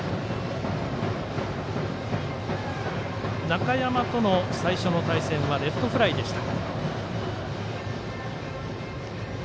中山との最初の対戦はレフトフライでした。